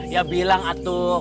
ya bilang atuk